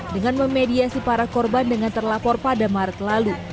dengan memediasi para korban dengan terlapor pada maret lalu